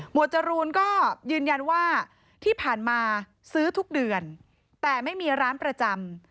จรูนก็ยืนยันว่าที่ผ่านมาซื้อทุกเดือนแต่ไม่มีร้านประจำ